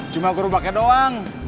cuma kurupaknya doang